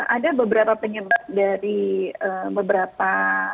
ada beberapa penyebab dari beberapa